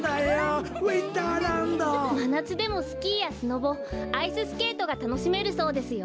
まなつでもスキーやスノボアイススケートがたのしめるそうですよ。